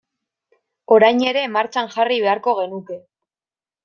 Orain ere martxan jarri beharko genuke.